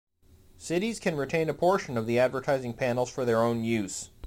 Cities can retain a portion of the advertising panels for their own use.